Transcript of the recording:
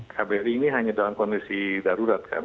kbri ini hanya dalam kondisi darurat kan